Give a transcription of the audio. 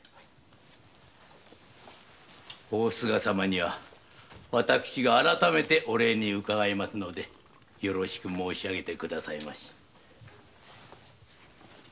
大須賀様には私が改めてお礼にうかがいますのでよろしく申しあげてくださいまし。